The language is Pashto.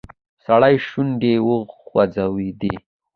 سړي شونډې وخوځېدې.